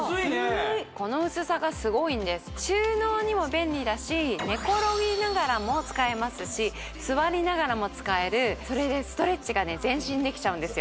この薄さがすごいんです収納にも便利だし寝転びながらも使えますし座りながらも使えるそれでストレッチがね全身できちゃうんですよ